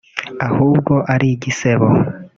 ahubwo ari igisebo